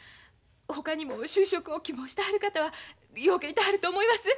ほかにも就職を希望してはる方はようけいてはると思います。